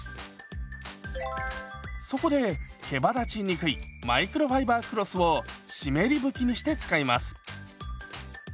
そこでけばだちにくいマイクロファイバークロスを湿り拭きにして使います。